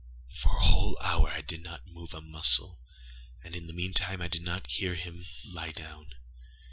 For a whole hour I did not move a muscle, and in the meantime I did not hear him lie down.